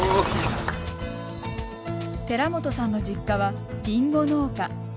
寺本さんの実家は、りんご農家。